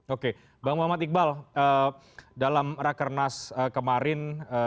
oke bang muhammad iqbal dalam raker nas kemarin